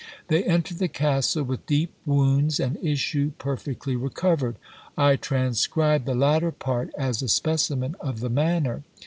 They enter the castle with deep wounds, and issue perfectly recovered. I transcribe the latter part as a specimen of the manner.